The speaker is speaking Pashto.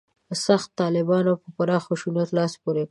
«سخت طالبانو» په پراخ خشونت لاس پورې کوي.